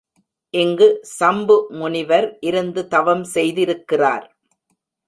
இங்கு சம்பு முனிவர் இருந்து தவம் செய்திருக்கிறார்.